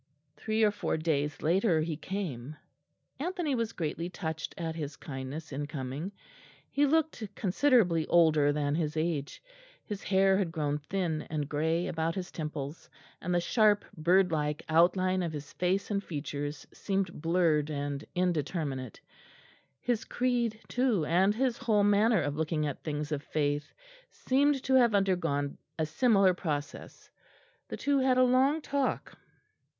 Three or four days later he came. Anthony was greatly touched at his kindness in coming. He looked considerably older than his age; his hair had grown thin and grey about his temples, and the sharp birdlike outline of his face and features seemed blurred and indeterminate. His creed too, and his whole manner of looking at things of faith, seemed to have undergone a similar process. The two had a long talk.